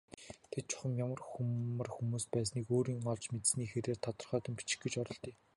Тэд чухам ямар ямар хүмүүс байсныг өөрийн олж мэдсэний хэрээр тодорхойлон бичих гэж оролдъё.